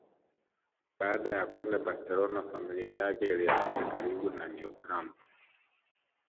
Baada ya kwenda Barcelona familia yake ilihamia karibu na Neo camp